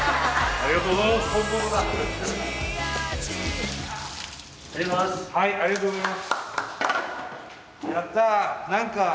ありがとうございます。